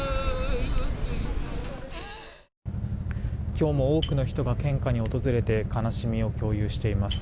今日も多くの人が献花に訪れて悲しみを共有しています。